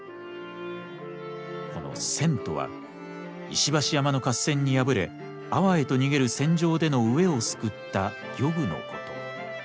この「筌」とは石橋山の合戦に敗れ安房へと逃げる船上での飢えを救った漁具のこと。